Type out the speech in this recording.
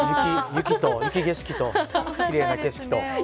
雪景色ときれいな景色と。